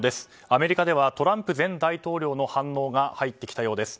アメリカではトランプ前大統領の反応が入ってきたようです。